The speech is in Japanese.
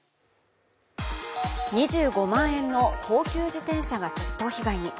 ２５万円の高級自転車が窃盗被害に。